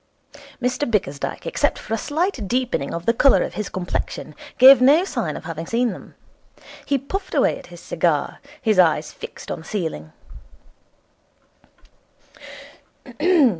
Mr Bickersdyke, except for a slight deepening of the colour of his complexion, gave no sign of having seen them. He puffed away at his cigar, his eyes fixed on the ceiling.